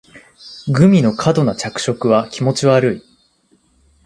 グミの過度な着色は気持ち悪い